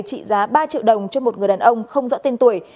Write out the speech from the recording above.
trị giá ba triệu đồng cho một người đàn ông không rõ tên tuổi